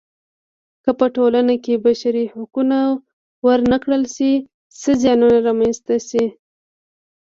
که په ټولنه کې بشري حقونه ورنه کړل شي څه زیانونه رامنځته شي.